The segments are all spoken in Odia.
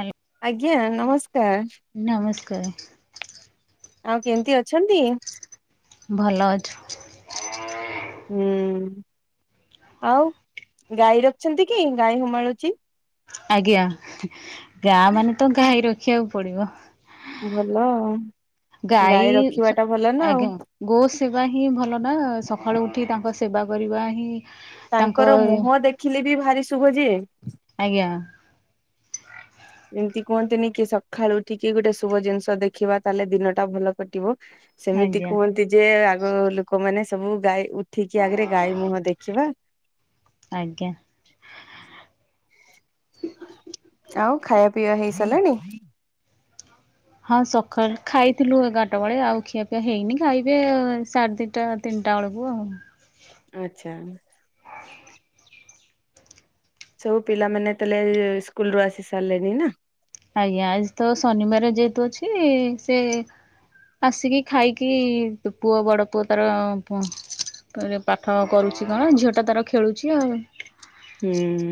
ହାଲୋ। ଆଜ୍ଞା ନମସ୍କାର। ନମସ୍କାର। ଆଉ କେମିତି ଅଛନ୍ତି? ଭଲ ଅଛ୍। ହୁଁ ଆଉ ଗାଈ ରଖଛନ୍ତି କି ଗାଈ ହୁମାଳୁଛି? ଆଜ୍ଞା ଗାଁ ମାନେ ତ ଗାଈ ରଖିବାକୁ ପଡିବ। ଭଲ ଆ ଗାଈ ରଖିବାଟା ଭଲ ନା ଆଉ। ଆଜ୍ଞା ଗୋ ସେବା ହିଁ ଭଲ ନା ସକାଳୁ ଉଠି ତାଙ୍କ ସେବା କରିବା ହିଁ ତାଙ୍କ ତାଙ୍କର ମୁହଁ ଦେଖିଲେ ବି ଭାରି ଶୁଭ ଯେ। ଆଜ୍ଞା। ଏମିତି କୁହନ୍ତିନି କି ସକାଳୁ ଉଠିକି ଗୋଟେ ଶୁଭ ଜିନିଷ ଦେଖିବା ତାହେଲେ ଦିନଟା ଭଲ କଟିବ। ସେମିତି ଆଜ୍ଞା କୁହନ୍ତି ଯେ ଆଗ ଲୋକମାନେ ସବୁ ଗାଈ ଉଠିକି ଆଗରେ ଗାଈ ମୁହଁ ଦେଖିବା। ଆଜ୍ଞା। ଆଉ ଖାଇବା ପିଇବା ହେଇ ସାରିଲାଣି? ହଁ ସକାଳେ ଖାଇଥିଲୁ ଏଗାରଟା ବେଳେ ଆଉ ଖିଆପିଆ ହେଇନି ଖାଇବେ ସାଢ଼େ ଦି ଟା ତିନିଟା ବେଳକୁ ଆଉ। ଆଚ୍ଛା। ସବୁ ପିଲାମାନେ ତାହେଲେ ସ୍କୁଲ ରୁ ଆସି ସାରିଲେଣିି ନା? ଆଜ୍ଞା ଆଜି ତ ଶନିବାର ଯେହେତୁ ଅଛି ସେ ଆସିକି ଖାଇକି ପୁଅ ବଡ ପୁଅ ତାର ପାଠ କରୁଛି କଣ ଝିଅ ଟା ତାର ଖେଳୁଛି ଆଉ। ହୁଁ।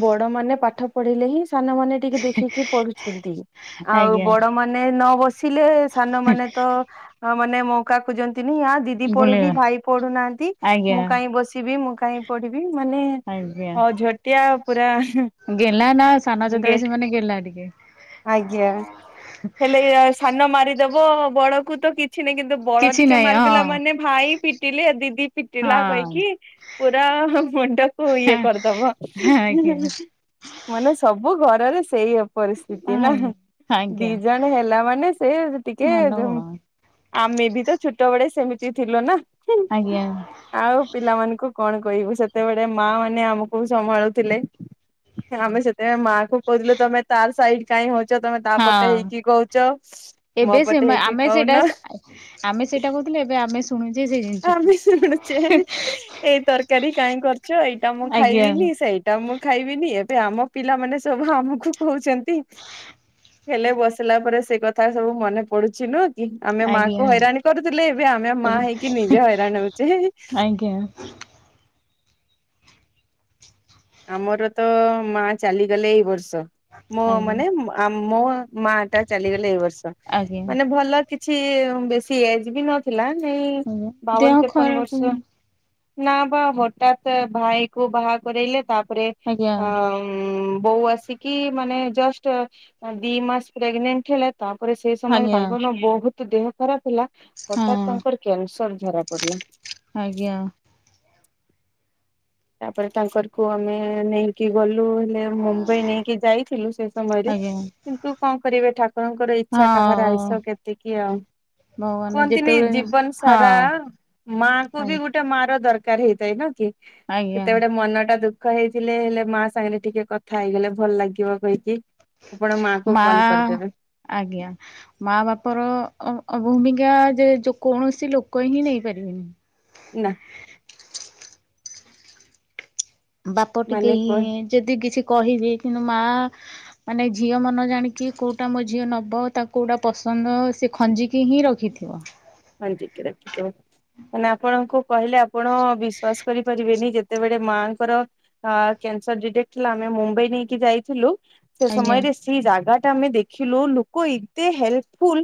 ବଡ ମାନେ ପାଠ ପଢିଲେ ହିଁ ସାନମାନେ ଟିକେ ଦେଖିକି ପଢୁଛନ୍ତି ଆଉ ଆଜ୍ଞା ବଡ ମ ମାନେ ନ ବସିଲେ ସାନ ମାନେ ତ ମାନେ ମକା ଖୋଜନ୍ତିନି। ଦିଦି ବୁଲିବା ପଢୁନି ଭାଇ ପଢୁନାହାନ୍ତି ଆଜ୍ଞା ମୁଁ କାଇହିଁ ବସିବି ମୁଁ କାଇହିଁ ପଢିବି ମାନେ ଆଜ୍ଞା ଝଟିଆ ପୁରା ଗେଲା ନା ସାନ ଗେ ଚତବେ ସେ ମାନେ ଗେଲା ଟିକେ। ଆଜ୍ଞା ହେଲେ ସାନ ମାରିଦବ ବଳକୁ ତ କିଛି ନାହିଁ କିନ୍ତୁ ବଳ କିଛି ଟିକେ ନାହିଁ ମାରିଦେଲା ହଁ। ମାନେ ଭାଇ ପିଟିଲେ ଦିଦି ପିଟିଲା କହିକି ହଁ ପୁରା ମୁଣ୍ଡକୁ ଇଏ ଆଜ୍ଞା କରିଦବ। ଆଜ୍ଞା। ମାନେ ସବୁ ଘରରେ ସେଇ ଅ ପରିସ୍ଥିତି। ନା ଦି ଆଜ୍ଞା ଜଣ ହେଲା ମାନେ ସେ ଟିକେ ମାନବ ଆମେ ବି ତ ଛୋଟ ବଳେ ସେମିତି ଥିଲୁ ନା। ଆଜ୍ଞା। ଆଉ ପିଲାମାନଙ୍କୁ କଣ କହିବୁ ସେତେବେଳେ ମା ମାନେ ଆମକୁ ସମ୍ଭାଳୁଥିଲେ। ଆମେ ସେତେବୋଇଁ ମାଆ କ କହୁିଲୁ ତମେ ତା ସାଇଡ କାଇହିଁ ହଉଛ ତମେ ତାପଟେ ହଁ। ହେଇକି କହୁଛ ଏବେ ମୋ ସେ ପଟେ ହେଇକି ଆମେ ସେଇଟା କହୁନ। ଆମେ ସେଇଟା କହୁଥିଲେ ଏବେ ଆମେ ଶୁଣୁଛେ ସେଇ ଜିନିଷଟା। ଆମେ ଶୁଣୁଛେ ଏଇ ତରକାରୀ କାଇଁ କରିଛ ଏଇଟା ମୁଁ ଆଜ୍ଞା ଖାଇବିନି ସେଇଟା ଏଟା ମୁଁ ଖାଇବିନି ଏବେ ଆମ ପିଲାମାନେ ସବୁ ଆମକୁ କହୁଛନ୍ତି। ହେଲେ ବସିଲା ପରେ ସେ କଥା ସବୁ ମନେ ପଡୁଛି ନୁହ। ଆମେ ମା ଆଜ୍ଞା କୁ ହଇରାଣ କରୁଥିଲେ ଏବେ ଆମେ ମା ହେଇକି ନିଜେ ହଇରାଣ ହଉଛେ। ଆଜ୍ଞା। ଆମର ତ ମା ଚାଲିଗଲେ ଏଇ ବର୍ଷ ମୋ ଆଜ୍ଞା। ଆଜ୍ଞା ମାନେ ମା ମୋ ମା। ଚାଲିଗଲେ ଏଇ ବର୍ଷ ଆଜ୍ଞା ମାନେ ଭଲ କିଛି ବେଶୀ ଏଜ ବି ନ ଥିଲା ନାଇ ଦେହ ବାବନ ତେପନ ଖରାପ ବର୍ଷ। ନା ବା ହଠାତ ଭାଇ କୁ ବାହା କରଇଲେ ତାପରେ ଆଜ୍ଞା ଅ ବୋଉ ଆସ। ଦି ମାସ ପ୍ରଗେନେଟ ତାପରେ ସେ ସମୟ ଆଜ୍ଞା। ତାଙ୍କର ବହୁତ ଦେହ ଖରାପ ହେଲା ହଠତ୍ ହଁ ତାଙ୍କର କ୍ୟାନସର ଧରା ପଡିଲା। ଆଜ୍ଞା। ତାପରେ ତାଙ୍କର କୁ ଆମେ ନେଇକି ଗଲୁ। ମୁମ୍ବାଇ ନେଇକି ଯାଇଥିଲୁ ସେ ସମୟରେ। ଆଜ୍ଞା କିନ୍ତୁ କଣ କରିବେ ଠାକୁରଙ୍କର ଇଚ୍ଛା କାହାର ହଁ ଆଇସ କେତିକି ଆଉ। ଭଗବାନ କୁହନ୍ତିନି ଯେତେବେଳେ ଜୀବନ ହଁ ସାରା ମାଙ୍କୁ ଆ ବି ଗୋଟେ ମାର ଦରକାର ହେଇଥାଏ ନା କି କେତେ ଆଜ୍ଞା ସେତେବେଳ ମନ ଟା ଦୁଃଖ ଦୁଃଖ ହେଇଥିଲେ ହେଲେ ମା ସାଙ୍ଗରେ ଟିକେ କଥା ହେଇଗଲେ ଭଲ ଲାଗିବ କହିକି। ଆପଣ କୁ ମା କଲ୍ କରିଦେବେ ଆଜ୍ଞା। ମା ବାପ ର ଭୂମିକା ଯେ କୌଣସି ଲୋକ ହିଁ ନେଇପାରିବେନି। ହେଲା। ବାପ ଟିକେ ମାନେ ହି କଣ ଯଦି କିଛି କହିବି ମା। ମାନେ ଝିଅ ମନ ଜାଣିକି କୋଉଟା ମୋ ଝିଅ ନବ ତା କୋଉଟା ପସନ୍ଦ ସେ ଖଞ୍ଜିକି ହିଁ ରଖିଥିବ। ଖଞ୍ଜିକି ରଖିଥିବ। ନା ଆପଣଙ୍କୁ କହିଲେ ଆପଣ ବିଶ୍ଵାସ କରିପାରିବେନି ଯେତେବେଳେ ମାଆଙ୍କର କ୍ୟାନସର ଡିଟେକ୍ଟ ଥିଲା ଆମେ ମୁମ୍ବାଇ ନେଇକି ଯାଇଥିଲୁ। ସେ ଆଜ୍ଞା ସମୟରେ ସେଇ ଜାଗା ଟା ଆମେ ଦେଖିଲୁ ଲୋକ ଏତେ ହେଲ୍ପଫୁଲ।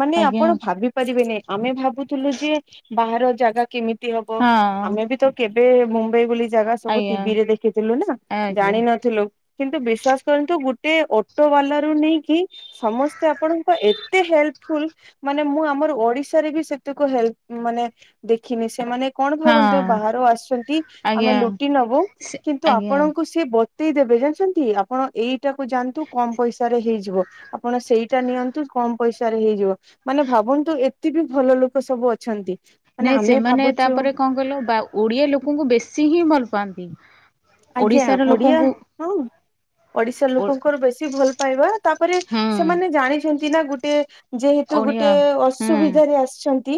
ମାନେ ଆଜ୍ଞା ଆପଣ ଭାବି ପାରିବେନି ଆମେ ଭାବୁଥିଲୁ ଯେ ବାହାର ଜାଗା କେମିତି କେମିତି ହବ ହଁ ଆମେ ବି ତ କେବେ ମୁମ୍ବାଇ ବୋଲି ଜାଗା ସବୁ ଆଜ୍ଞା ଟିଭି ରେ ଦେଖିଥିଲୁ ନା ଆଜ୍ଞା ଜାଣିିନଥିଲୁ। କିନ୍ତୁ ବିଶ୍ୱାସ କରନ୍ତୁ ଗୋଟେ ଅଟୋ ବାଲା ରୁ ନେଇକି ସମସ୍ତେ ଆପଣଙ୍କ ଏତେ ହେଲ୍ପଫୁଲ ମାନେ ମୁଁ ଆମର ଓଡିଶା ରେବି ସେତକ ହେଲ୍ପ ମାନେ ଦେଖିନି ସେମାନେ କଣ ଭାବନ୍ତୁ ହଁ ବାହାରୁ ଆସୁଛନ୍ତି ଆମେ ଆଜ୍ଞା। ଲୁଟି ନବୁ କିନ୍ତୁ ଆଜ୍ଞା ଆପଣଙ୍କୁ ସେ ବତେଇ ଦେବେ ଜାଣିଛନ୍ତି ଆପଣ ଏଇଟାକୁ ଯାଆନ୍ତୁ କମ୍ ପଇସା ରେ ହେଇଯିବ। ଆପଣ ସେଇଟା ନିଅନ୍ତୁ କମ୍ ପଇସାରେ ହେଇଯିବ ମାନେ ଭାବନ୍ତୁ ଏ ଏତେ ବି ଭଲ ଲୋକ ସବୁ ଅଛନ୍ତି। ମାନେ ନାଇ ଆମେ ସେମାନେ ଭାବୁଛୁ ତାପରେ କଣ କଲ ବା ଓଡିଆ ଲୋକଙ୍କୁ ବେଶୀ ହିଁ ଭଲ ପାଆନ୍ତି। ଆଜ୍ଞା ଓଡିଶାର ଓଡିଆ ଲୋକଙ୍କୁ ହଁ। ଓଡିଶା ଓ ଲୋକଙ୍କର ବେଶୀ ଭଲ ପାଇବା ତାପରେ ହୁଁ ସେମାନେ ଜାଣିଛନ୍ତି ନା ଗୋଟେ ଯେହେତୁ ଓଡିଆ ଗୋଟେ ହୁଁ ଅସୁବିଧାରେ ଆସିଛନ୍ତି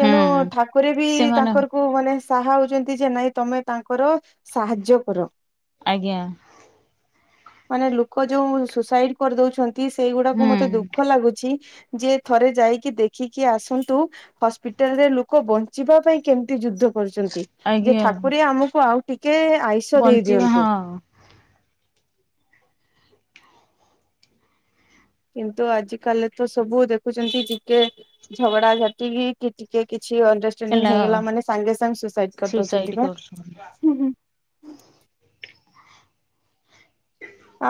ତେଣୁ ହୁଁ ଠାକୁର ବି ସେମାନେ ତାଙ୍କର କୋଉ ମାନେ ସାହା ହଉଛନ୍ତି ଯେ ନାଇଁ ତମେ ତାଙ୍କର ସାହାଯ୍ୟ କର। ଆଜ୍ଞା। ମାନେ ଲୋକ ଯୋଉ ସୁସାଇଡ କରିଦଉଛନ୍ତି ସେଇଗୁଡାକୁ ହୁଁ ମତେ ଦୁଃଖ ଲାଗୁଛି ଯେ ଥରେ ଯାଇକି ଦେଖିକି ଆସନ୍ତୁ ହସ୍ପିଟାଲ ରେ ଲୋକ ବଞ୍ଚିବା ପାଇଁ କେମିତି ଯୁଦ୍ଧ କରୁଛନ୍ତି ଯେ ଆଜ୍ଞା ଠାକୁର ଆମକୁ ଆଉ ଟିକେ ଆୟୁ ବଞ୍ଚିବା ହଁ। କିନ୍ତୁ ଆଜ କାଲି ତ ସବୁ ଦେଖୁଛନ୍ତି ଟିକେ। ଝଗଡା ଝାଟିିକି ଟିକେ କିଛି ଅଣ୍ଡର ହେଲା ହେଇଗଲା ମାନେ ସାଙ୍ଗେ ସାଙ୍ଗେ ସୁଇ ସାଇଡ କରିଦଉଛନ୍ତି ସୁସାଇଡ ବା। କରୁଛନ୍ତି।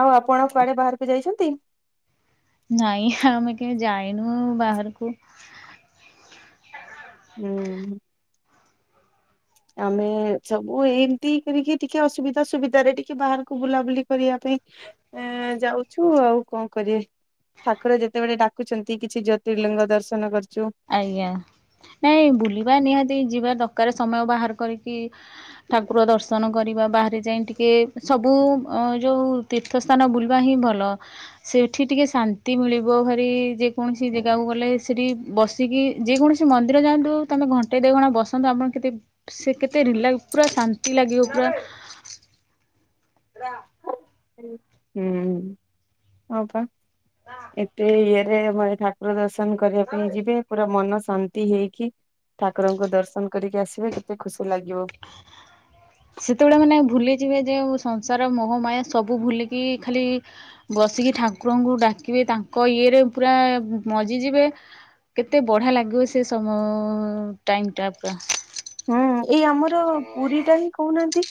ଆଉ ଆପଣ କୁଆଡେ ବାହାରକୁ ଯାଇଛନ୍ତି। ନାଇଁ ଆମେ କେହି ଯାଇନୁ ବାହାରକୁ। ହୁଁ। ଆମେ ସବୁ ଏମିତି କରିକି ଟିକେ ଅସୁବିଧା ସୁବିଧାରେ ଟିକେ ବାହାରକୁ ବୁଲାବୁଲି କରିବା ପାଇଁ। ଏ ଯାଉଛୁ ଆଉ କଣ କରିବେ ଠାକୁର ଯେତେବେଳେ ଡାକୁଛନ୍ତି କିଛି ଜ୍ୟୋତିର୍ଲିଙ୍ଗ ଦର୍ଶନ କରୁଛୁ ଆଜ୍ଞା ନାଇଁ ବୁଲିବା ନିହାତି ଯିବା ଦରକାର ସମୟ ବାହାର କରିକି ଠାକୁର ଦର୍ଶନ କରିବା ବାହାରେ ଯାଇ ଟିକେ ସବୁ ଯୋଉ ତୀର୍ଥସ୍ଥାନ ବୁଲିବା ହିଁ ଭଲ ସେଠି ଟିକେ ଶାନ୍ତି ମିଳିବ ଭାରି ଯେକୌଣସି ଜାଗାକୁ ଗଲେ ସେଠି ବସିକି ଯେକୌଣସି ମନ୍ଦିର ଯାଆନ୍ତୁ ତମେ ଘଣ୍ଟେ ଦି ଘଣ୍ଟା ବସନ୍ତୁ ଆପଣ କେତେ ସେ କେତେ ରିଲାକ୍ସ ପୁରା ଶାନ୍ତି ଲାଗିବ ପୁରା ର ହୁଁ ହଁ ପା। ଏତେ ଇଏରେ ମାନେ ଠାକୁର ଦର୍ଶନ କରିବା ପାଇଁ ଯିବେ ପୁରା ମନ ଶାନ୍ତି ହେଇକି। ଠାକୁରଙ୍କୁ ଦର୍ଶନ କରିକି ଆସିବେ କେତେ ଖୁସି ଲାଗିବ। ସେତେବେଳେ ମାନେ ଭୁଲିଯିବେ ଯେ ସଂସାର ମୋହମାୟା ସବୁ ଭୁଲିକି ଖାଲି ବସିକି ଠାକୁରଙ୍କୁ ଡାକିବେ ତାଙ୍କ ଇଏରେ ପୁରା ମଜିଯିବେ। କେତେ ବଢିଆ ଲାଗିବ ସେ ସମୟ ଟାଇମ ପୁରା। ହୁଁ ଏଇ ଆମର ପୁରିଟା ହିଁ କହୁନାହାନ୍ତି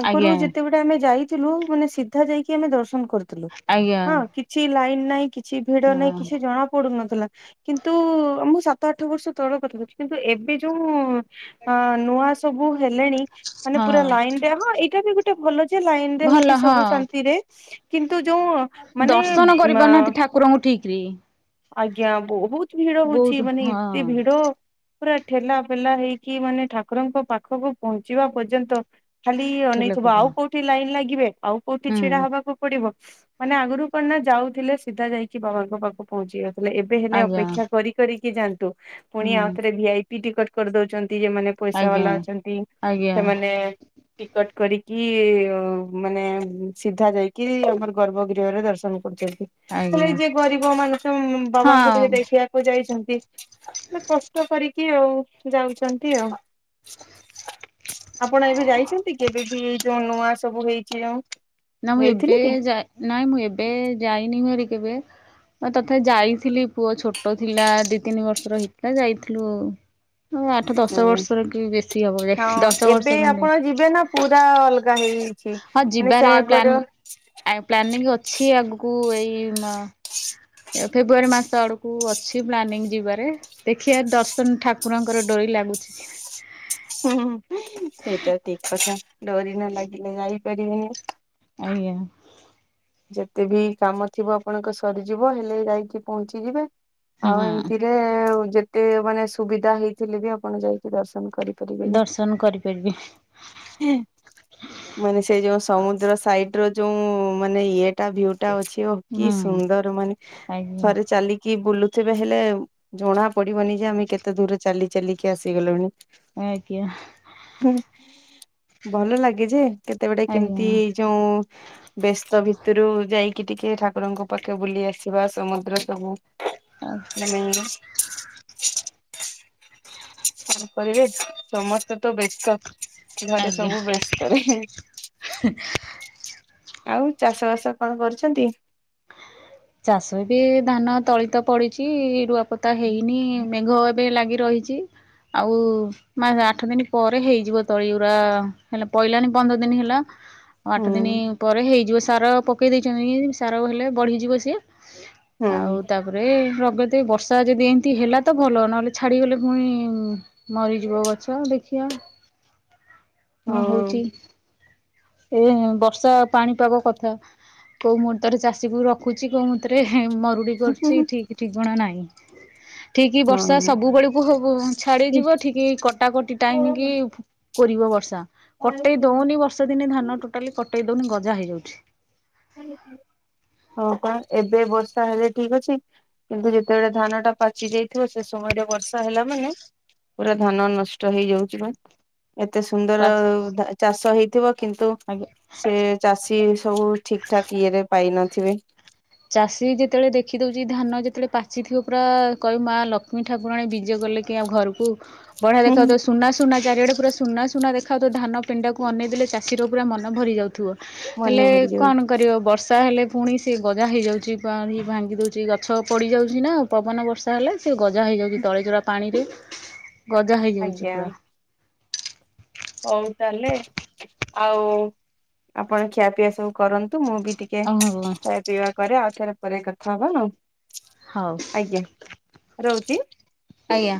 ଆଗରୁ ଆଜ୍ଞା ଯେତେବେଳେ ଆମେ ଯାଇଥିଲୁ ମାନେ ସିଧା ଯାଇକି ଆମେ ଦର୍ଶନ କରୁ ଥିଲୁ ଆଜ୍ଞା ହଁ କିଛି ଲାଇନ ନାଇଁ କିଛି ଭିଡ ନାଇଁ ହଁ କିଛି ଜଣା ପଡୁନଥିଲା। କିନ୍ତୁ ଅ ମୁଁ ସାତ ଆଠ ବର୍ଷ ତଳ କଥା କହୁଛି କିନ୍ତୁ ଏବେ ଯୋଉ ଅ ନୂଆ ସବୁ ହେଲେଣି ମାନେ ହଁ ପୁରା ଲାଇନରେ ହଁ ଏଇଟା ବି ଗୋଟେ ଭଲ ଯେ ଲାଇନରେ ହେଇକି ଭଲ ହଁ ସବୁ ଶାନ୍ତିରେ। କିନ୍ତୁ ଯୋଉ ମାନେ ଅ ଠାକୁର ଙ୍କୁ ଠିକରେ। ଆଜ୍ଞା ବହୁତ ଭିଡ ହଉଛି ବହୁତ ମାନେ ଏତେ ହଁ ଭିଡ। ପୁରା ଠେଲା ପେଲା ହେଇକି ମାନେ ଠାକୁରଙ୍କ ପାଖକୁ ପହଞ୍ଚିବା ପର୍ଯ୍ୟନ୍ତ। ଖାଲି ଅନେଇଥିବ ଲୋକଟା ଆଉ କୋଉଠି ଲାଇନ ଲାଗିବେ ଆଉ କୋଉଠି ହୁଁ ଛିଡା ହବାକୁ ପଡିବ। ମାନେ ଆଗରୁ କଣ ନା ଯାଉଥିଲେ ସିଧା ଯାଇକି ବାବାଙ୍କ ପାଖକୁ ପହଞ୍ଚି ଯାଉଥିଲେ। ଏବେ ହେଲେ ଆଜ୍ଞା ଅପେକ୍ଷା କରି କରିକି ଯାଆନ୍ତୁ ହୁଁ ପୁଣି ଆଉ ଥରେ ଭି ଆଇ ପି ଟିକଟ କରିଦଉଛନ୍ତି ଯେଉଁମାନେ ପଇସା ଆଜ୍ଞା ବାଲା ଅଛନ୍ତି ଆଜ୍ଞା ସେମାନେ ଟିକଟ କରିକି ମାନେ ସିଧା ଯାଇକି ଆମର ଗର୍ଭଗୃହରେ ଦର୍ଶନ। ଦର୍ଶନ କରୁଛନ୍ତି ମାନେ ଆଜ୍ଞା ଯେ ଗରିବ ମାନେ ତ ବାବାଙ୍କୁ ହଁ ଟିକେ ଦେଖିବାକୁ ଯାଇଛନ୍ତି। ମାନେ କଷ୍ଟ କରିକି ଆଉ ଯାଉଛନ୍ତି ଆଉ। ଆପଣ ଏବେ ଯାଇଛନ୍ତି କେବେ ବି ଏଇ ଯୋଉ ନୂଆ ସବୁ ହେଇଛି ଯୋଉଁ ନା ଏବେ ଯା ନାଇଁ ମୁଁ ଏବେ ଯାଇନି ଭାରି କେବେ ହଁ ତଥାପି ଯାଇଥିଲି ପୁଅ ଛୋ ଟ ଥିଲା ଦି ତିନି ବର୍ଷର ହେଇଥିଲା ଯାଇଥିଲୁ। ଆଠ ଦଶ ହୁଁ। ବର୍ଷର କି ବେଶୀ ହବ ଯାଇ ହଁ ଦଶ ଏବେ ବର୍ଷ ଖଣ୍ଡେ। ଆପଣ ଯିବେ ନା ପୁରା ଅଲଗା ହେଇଯାଇଛି। ହଁ ମାନେ ସେ ଯିବାରେ ଆଗର ପ୍ଲାନ ଅ ପ୍ଲାନିଂ ଅଛି ଆଗକୁ ଏଇ ମ ଏଇ ଫେବୃଆରୀ ମାସ ଆଡକୁ ଅଛି ପ୍ଲାନିଂ ଯିବାରେ। ଦେଖିବା ଦର୍ଶନ ଠାକୁରଙ୍କର ଡୋରି ଲାଗୁଛି। କି ହୁଁ ସେଇଟା ଠିକ କଥା ଡୋରି ନ ଲାଗିଲେ ଯାଇପାରିବନି। ଆଜ୍ଞା। ଯେତେ ବି କାମ ଥିବ ଆପଣଙ୍କ ସରିଯିବ ହେଲେ ଯାଇକି ପହଞ୍ଚିଯିବେ ଆଉ ହଁ ଏମିତି ଯେ ଯେତେ ମାନେ ସୁବିଧା ହେଇଥିଲେ ବି ଆପଣ ଯାଇକି ଦର୍ଶନ କରିବେ। ଦର୍ଶନ କରିପାରିବେ। ଆଚ୍ଛା ମାନେ ସେ ଯୋଉ ସମୁଦ୍ର ସାଇଟିର ଯୋଉ ମାନେ ଇଏ ତା ଭ୍ୟୁ ଅଛି ଓଃ କି ହୁଁ ସୁନ୍ଦର ମାନେ ଆଜ୍ଞା ଥରେ ଚାଲି କି ବୁଲୁଥିବେ ହେଲେ ଜଣା ପଡ଼ିବନି ଯେ ଆମେ କେତେ ଦୂର ଚାଲି ଚାଲିକି ଆସିଗଲୁଣି। ଆଜ୍ଞା। ହୁଁ ଭଲ ଲାଗେ ଯେ କେତେ ଗୋଟେ ଆଜ୍ଞା କେମିତି ଏଇ ଯୋଉ ବ୍ୟସ୍ତ ଭିତରୁ ଯାଇକି ଟିକେ ଠାକୁରଙ୍କ ପାଖେ ବୁଲି ଆସିବା ସମୁଦ୍ର ସବୁ ଆସ୍ ସାଙ୍ଗ କଣ କରିବେ? ସମସ୍ତେ ତ ବେ ବ୍ୟସ୍ତ ଘରେ ଆଜ୍ଞା। ସବୁ ବ୍ୟସ୍ତରେ। [inaudible] ଆଉ ଚାଷବାସ କଣ କରୁଛନ୍ତି? ଚାଷ ଏବେ ଧାନ ତଳି ତ ପଡ଼ିଚି। ରୁଆପୋତା ହେଇନି ମେଘ ଏବେ ଲାଗି ରହିଚି। ଆଉ ମା ଆଠ ଦିନ ପରେ ହେଇଯିବ ତଳିଉରା ହେଲା। ପଇଲାନି ପନ୍ଦର ଦିନି ହେଲା। ଆଉ ଆଠ ଦିନି ହୁଁ ପରେ ହେଇଯିବ ସାର ପକେଇ ଦେଇଛନ୍ତି ସାର ହେଲେ ବଢିଯିବ। ସିଏ। ହୁଁ ଆଉ ତାପରେ ରଗଦି ବଷ୍ ବର୍ଷା ଯଦି ଏମିତି ହେଲା ତ ଭଲ ନହେଲେ ଛାଡ଼ିଗଲେ ପୁଣି ମରିଯିବ ଗଛ ଦେଖିଆ। ନ ହଁ ହଉଚି। ଏ ବର୍ଷା ପାଣିପାଗ କଥା କୋଉ ମୁହୂର୍ତ୍ତରେ ଚାଷୀକୁ ରଖ ରଖୁଚି କୋଉ ମୁହୁର୍ତ୍ତରେ ହେ ମରୁଡ଼ି କରୁଚି ଠିକ୍ ଠିକଣା ନାହିଁ। ଠିକ୍ ବର୍ଷା ହଁ ସବୁ ବେଳକୁ ସବୁ ଛାଡ଼ିଯିବ ଠିକ୍ କଟାକଟି ଟାଇମ କି ହଁ କୋରିବ ବର୍ଷା କଟେଇ ଦଉନି ବର୍ଷା ଦିନେ ଧାନ ଟୋଟାଲି କଟେଇ ଦଉନି ଗଜା ହେଇଯାଉଛି। [inaudible] ହଁ ପା ଏବେ ବର୍ଷା ହେଲେ ଠିକ୍ ଅଛି। କିନ୍ତୁ ଯେତେବେଳେ ଧାନଟା ପାଚି ଯାଇଥିବ। ସେ ସମୟରେ ବର୍ଷା ହେଲା ମାନେ ପୁରା ଧାନ ନଷ୍ଟ ହେଇଯାଉଚି ବା। ଏତେ ସୁନ୍ଦର ଧା ଚାଷ ହେଇଥିବ। କିନ୍ତୁ ଆଜ୍ଞା। ସେ ଚାଷୀ ସବୁ ଠିକଠାକ୍ ଇଏରେ ପାଇନଥିବେ। ଚାଷୀ ଯେତେବେଳେ ଦେଖି ଦଉଚି। ଧାନ ଯେତେବେଳେ ପାଚିଥିବ ପୁରା କଇବୁ ମା ଲକ୍ଷ୍ମୀ ଠାକୁରାଣୀ ବିଜେ କଲେ କି। କି ଆମ ଘରକୁ ବଢ଼ିଆ ଦେଖ ହୁଁ ଯାଉଥିବ ସୁନା ସୁନା ଚାରିଆଡ଼େ ପୁରା ସୁନା ସୁନା ଦେଖାଯାଉଥିବ। ଧାନ ପେଣ୍ଡାକୁ ଅନେଇ ଦେଲେ ଚାଷୀର ପୁରା ମନ ଭରି ଯାଉଥିବ। ମନେ ହେଲେ ଭରି କଣ ଯାଉଛି। କରିବ ବର୍ଷା ହେଲେ ପୁଣି ସେ ଗଜା ହେଇଯାଉଛି ପାଣି ଭାଙ୍ଗି ଦେଉଛି ଗଛ ପଡ଼ିଯାଉଚି ନାଁ। ପବନ ବର୍ଷା ହେଲେ ସେ ଗଜା ହେଇଯାଉଚି। ତଳି ତୁଳା ପାଣିରେ ଗଜା ହେଇଯାଉଛି ଆଜ୍ଞା ପୁରା। ହଉ ତାହେଲେ ଆଉ ଆପଣ ଖିଆ ପିଆ ସବୁ କରନ୍ତୁ। ମୁଁ ବି ଟିକେ ଓହୋ ଖାଇବା ପିଇବା କରେ। ଆଉଥରେ ପରେ କଥା ହବା ଆଉ। ହଉ ଆଜ୍ଞା ରହୁଛି। ଆଜ୍ଞା।